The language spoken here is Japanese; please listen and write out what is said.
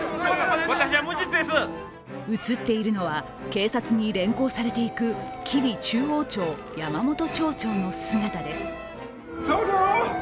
映っているのは、警察に連行されていく吉備中央町、山本町長の姿です。